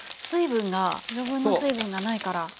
水分が余分な水分がないから。